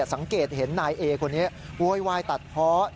สังเกตเห็นนายเอคนนี้โวยวายตัดเพาะ